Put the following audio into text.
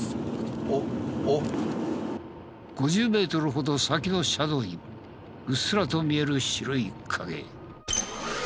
５０メートルほど先の車道にうっすらと見える白い影。